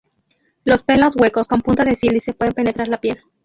Los pelos huecos con punta de sílice pueden penetrar la piel.